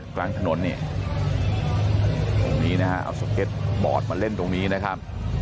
กลางถนนเนี่ยตรงนี้นะฮะเอาสเก็ตบอร์ดมาเล่นตรงนี้นะครับ